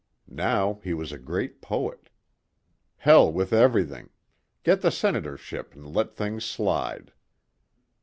Now he was a great poet. Hell with everything.... Get the senatorship and let things slide.